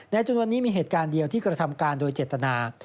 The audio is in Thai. จำนวนนี้มีเหตุการณ์เดียวที่กระทำการโดยเจตนา